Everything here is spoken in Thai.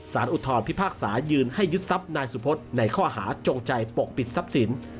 อุทธรพิพากษายืนให้ยึดทรัพย์นายสุพธในข้อหาจงใจปกปิดทรัพย์สิน